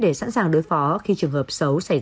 để sẵn sàng đối phó khi trường hợp xấu xảy ra